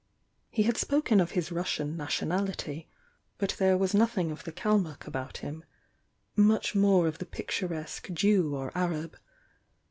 He had spoken of his Russian nationality, but there was nothing of the Kalmuck about him, — ^much more of the picturesque Jew or Arab.